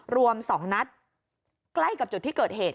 รวม๒นัดใกล้กับจุดที่เกิดเหตุ